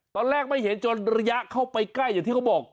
ตอนแรกไม่เห็นจนระยะเข้าไปใกล้อย่างที่เขาบอก